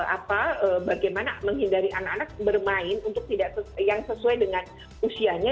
apa bagaimana menghindari anak anak bermain untuk tidak yang sesuai dengan usianya